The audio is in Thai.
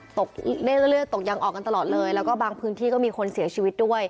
เลือดตกยังออกกันตลอดเลยแล้วก็บางพื้นที่ก็มีคนเสียชีวิตด้วย